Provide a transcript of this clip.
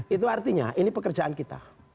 itu artinya ini pekerjaan kita